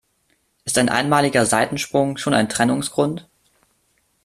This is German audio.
Ist ein einmaliger Seitensprung schon ein Trennungsgrund?